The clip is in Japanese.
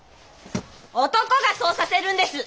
男がそうさせるんです！